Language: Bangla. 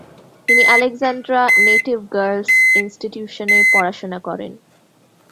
তিনি আলেকজান্দ্রা নেটিভ গার্লস ইনস্টিটিউশনে পড়াশোনা করেন।